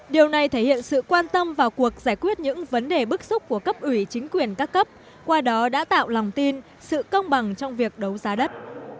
điều này thể hiện sự quan tâm vào cuộc giải quyết những vấn đề bức xúc của cấp ủy chính quyền các cấp qua đó đã tạo lòng tin sự công bằng trong việc đấu giá đất